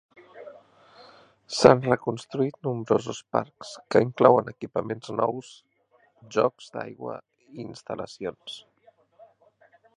S'han reconstruït nombrosos parcs, que inclouen equipaments nous, jocs d'aigua i instal·lacions.